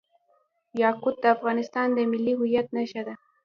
یاقوت د افغانستان د ملي هویت نښه ده.